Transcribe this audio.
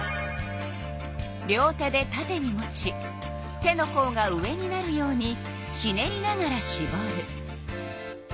両手でたてに持ち手のこうが上になるようにひねりながらしぼる。